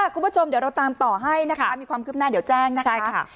คุณผู้ชมเดี๋ยวเราตามต่อให้นะคะมีความคืบหน้าเดี๋ยวแจ้งนะคะ